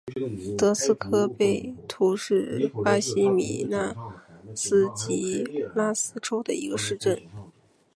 德斯科贝图是巴西米纳斯吉拉斯州的一个市镇。